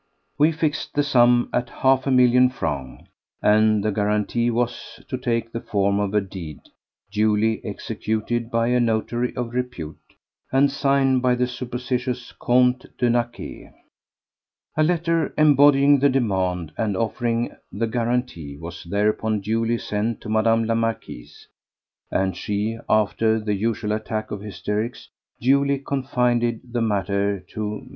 We fixed the sum at half a million francs, and the guarantee was to take the form of a deed duly executed by a notary of repute and signed by the supposititious Comte de Naquet. A letter embodying the demand and offering the guarantee was thereupon duly sent to Mme. la Marquise, and she, after the usual attack of hysterics, duly confided the matter to M.